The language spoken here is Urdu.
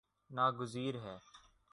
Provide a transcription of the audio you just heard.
نا گزیر ہے